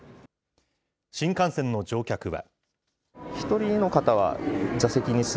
新幹線の乗客は。